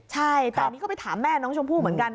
ใช่แต่อันนี้ก็ไปถามแม่น้องชมพู่เหมือนกัน